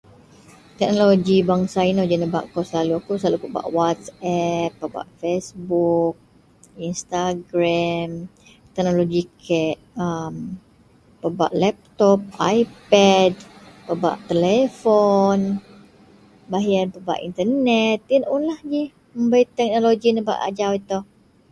teknologi bansa inou ji nebak kou selalu, akou selalu pebak whatapp, facebook, Instagram, teknologi kek a pebak laptop, ipad, pebak telepon, baih ien pebak internate, ien unlah ji bei teknologi nebak ajau itou